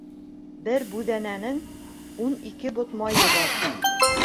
Бер бүҙәнәнең ун ике бот майы бар.